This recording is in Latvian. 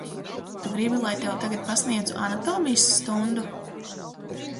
Tu gribi, lai tev tagad pasniedzu anatomijas stundu?